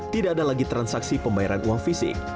tidak ada lagi transaksi pembayaran uang fisik